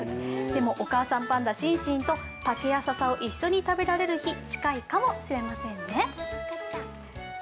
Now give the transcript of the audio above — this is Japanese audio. でもお母さんパンダ・シンシンと竹やささを一緒に食べられる日、近いかもしれませんね。